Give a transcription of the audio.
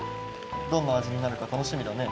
どんな味になるか楽しみだね。